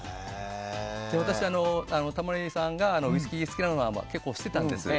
私はタモリさんがウイスキーが好きなのは知ってたんです。